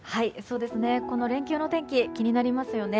この連休の天気気になりますよね。